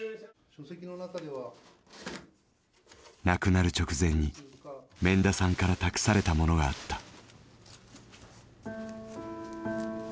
亡くなる直前に免田さんから託されたものがあった。